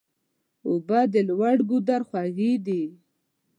اوبه د لوړ ګودر خوږې دي.